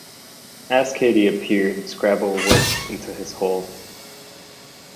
As Katie appeared, Scrabble whisked into his hole.